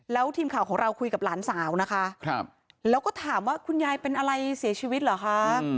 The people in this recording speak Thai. แล้วทีมข่าวของเราคุยกับหลานสาวนะคะแล้วก็ถามว่าคุณยายเป็นอะไรเสียชีวิตเหรอคะ